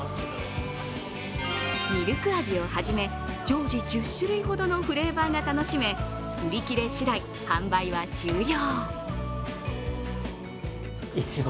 ミルク味をはじめ、常時１０種類ほどのフレーバーが楽しめ、売り切れしだい、販売は終了。